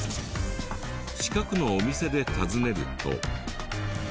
近くのお店で尋ねると。